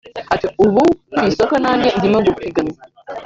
Ati “Ubu ku isoko nanjye ndimo gupiganwa